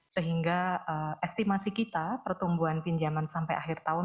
sehingga estimasi kita pertumbuhan pinjaman sampai akhir tahun